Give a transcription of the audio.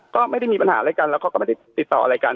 ก็ไม่ได้มีปัญหาอะไรกันแล้วเขาก็ไม่ได้ติดต่ออะไรกัน